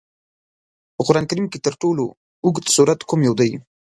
په قرآن کریم کې تر ټولو لوږد سورت کوم یو دی؟